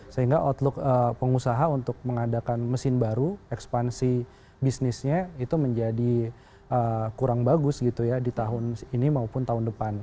sehingga outlook pengusaha untuk mengadakan mesin baru ekspansi bisnisnya itu menjadi kurang bagus gitu ya di tahun ini maupun tahun depan